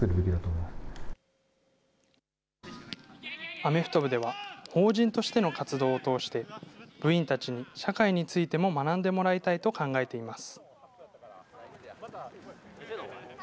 アメフト部では、法人としての活動を通して、部員たちに社会についても学んでもらいたいと考えています。